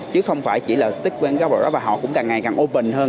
chứ không phải chỉ là stick quen góc độ đó và họ cũng càng ngày càng open hơn